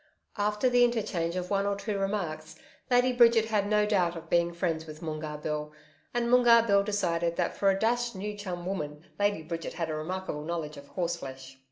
After the interchange of one or two remarks, Lady Bridget had no doubt of being friends with Moongarr Bill, and Moongarr Bill decided that for a dashed new chum woman, Lady Bridget had a remarkable knowledge of horseflesh.